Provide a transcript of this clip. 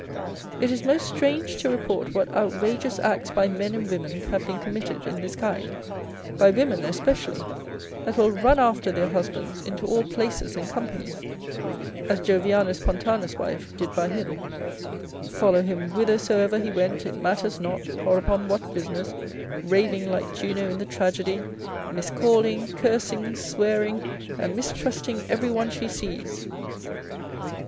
It is most strange to report what outrageous acts by men and women have been committed in this kind, by women especially, that will run after their husbands into all places and companies, as Jovianus Pontanus's wife did by him, follow him whithersoever he went, it matters not, or upon what business, raving like Juno in the tragedy, miscalling, cursing, swearing, and mistrusting every one she sees.